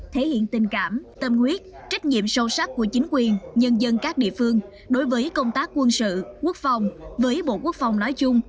thể hiện tình cảm tâm nguyết trách nhiệm sâu sắc của chính quyền nhân dân các địa phương đối với công tác quân sự quốc phòng với bộ quốc phòng nói chung